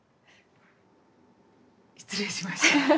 失礼しました。